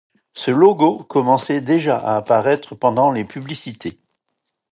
Ce logo commençait déjà à apparaître pendant les publicités.